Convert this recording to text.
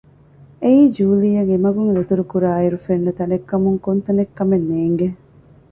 އެއީ ޖޫލީއަށް އެމަގުން ދަތުރުކުރާ އިރު ފެންނަ ތަނެއްކަމަކު ކޮންތަނެއް ކަމެއް ނޭގެ